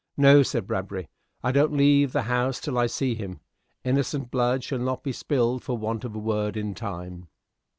"No," said Bradbury, "I don't leave the house till I see him. Innocent blood shall not be spilled for want of a word in time."